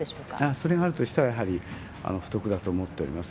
それがあるとしたら、やはり不徳だと思っております。